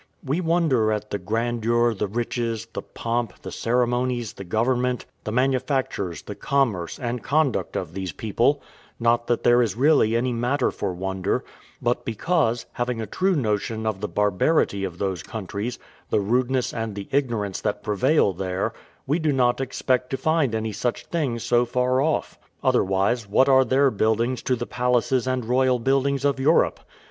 We wonder at the grandeur, the riches, the pomp, the ceremonies, the government, the manufactures, the commerce, and conduct of these people; not that there is really any matter for wonder, but because, having a true notion of the barbarity of those countries, the rudeness and the ignorance that prevail there, we do not expect to find any such thing so far off. Otherwise, what are their buildings to the palaces and royal buildings of Europe?